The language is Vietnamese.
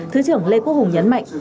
thứ trưởng lê quốc hùng nhấn mạnh